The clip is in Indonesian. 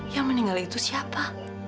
yang meninggal itu siapa